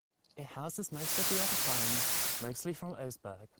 It houses most of the other finds, mostly from Oseberg.